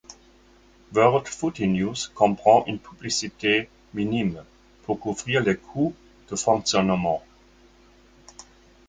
World Footy News comprend une publicité minime pour couvrir les coûts de fonctionnement.